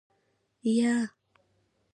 يه.